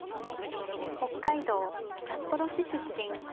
北海道札幌市出身。